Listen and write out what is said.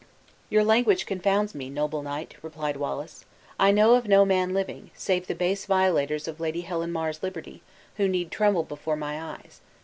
"Your language confounds me, noble knight," replied Wallace. "I know of no man living, save the base violators of Lady Helen Mar's liberty, who need tremble before my eyes.